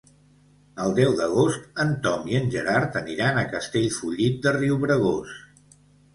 El deu d'agost en Tom i en Gerard aniran a Castellfollit de Riubregós.